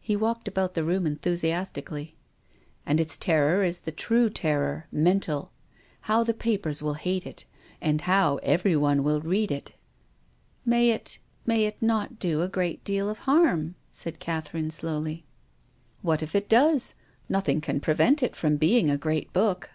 He walked about the room enthusiastically. "And its terror is the true terror — mental. How the papers will hate it, and how every one will read it !"" May it — may it not do a great deal of harm ?" said Catherine, slowly. 1 54 TONGUES OF CONSCIENCE. "What if it does? Nothing can prevent it from being a great book."